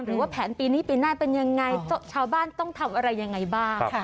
หรือว่าแผนปีนี้ปีหน้าเป็นยังไงชาวบ้านต้องทำอะไรยังไงบ้าง